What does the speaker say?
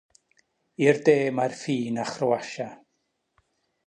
I'r de mae'r ffin â Chroatia.